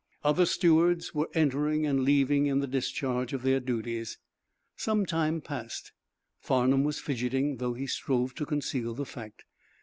Other stewards were entering and leaving in the discharge of their duties. Some time passed. Farnum was fidgeting, though he strove to conceal the fact.